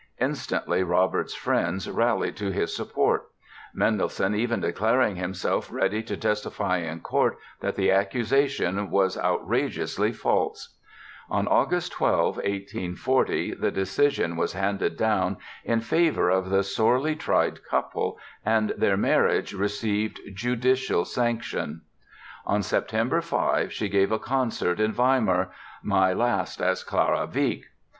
Instantly Robert's friends rallied to his support, Mendelssohn even declaring himself ready to testify in court that the accusation was outrageously false. On August 12, 1840, the decision was handed down in favor of the sorely tried couple and their marriage received judicial sanction. On Sept. 5, she gave a concert in Weimar, "my last as Clara Wieck".